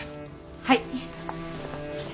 はい。